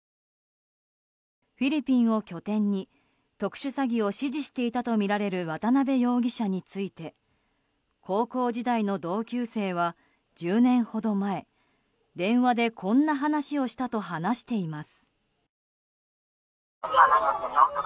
フィリピンを拠点に特殊詐欺を指示していたとみられる渡邉容疑者について高校時代の同級生は１０年ほど前、電話でこんな話をしたと話しています。